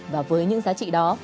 và với những giá trị đó